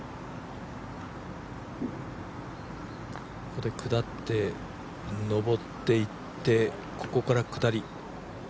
ここで下って上っていってここから下り。